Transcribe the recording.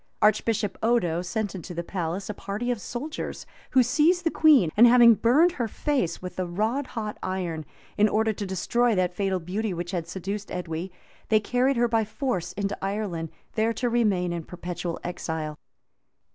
Archbishop Odo sent into the palace a party of soldiers, who seized the queen; and having burned her face with a rod hot iron, in order to destroy that fatal beauty which had seduced Edwy, they carried her by force into Ireland, there to remain in perpetual exile.